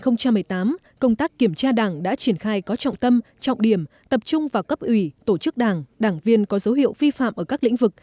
năm hai nghìn một mươi tám công tác kiểm tra đảng đã triển khai có trọng tâm trọng điểm tập trung vào cấp ủy tổ chức đảng đảng viên có dấu hiệu vi phạm ở các lĩnh vực